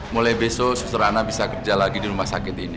mulai besok suster anak bisa kerja lagi di rumah sakit ini